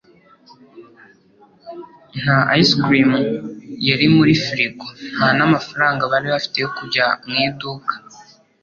Nta ice cream yari muri firigo, nta n'amafaranga bari bafite yo kujya mu iduka.